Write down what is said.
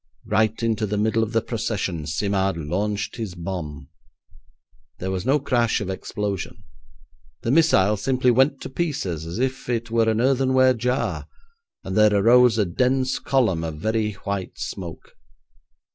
Right into the middle of the procession Simard launched his bomb. There was no crash of explosion. The missile simply went to pieces as if it were an earthenware jar, and there arose a dense column of very white smoke.